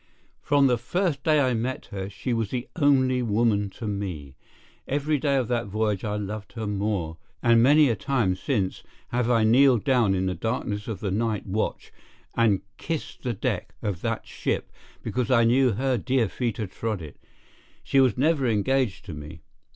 From the first day I met her, she was the only woman to me. Every day of that voyage I loved her more, and many a time since have I kneeled down in the darkness of the night watch and kissed the deck of that ship because I knew her dear feet had trod it. She was never engaged to me.